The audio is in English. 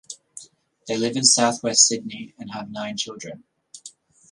They live in south-west Sydney and have nine children.